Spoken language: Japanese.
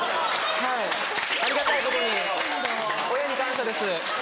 はいありがたいことに親に感謝です。